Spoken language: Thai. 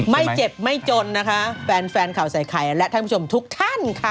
ไม่เจ็บไม่จนนะคะแฟนแฟนข่าวใส่ไข่และท่านผู้ชมทุกท่านค่ะ